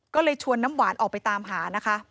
ก็เลยชวนน้ำหวานออกไปตามหานะคะ